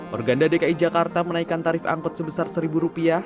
organda dki jakarta menaikan tarif angkut sebesar satu rupiah